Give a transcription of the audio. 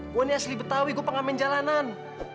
gua ini asli betawi gua pengamen jalanan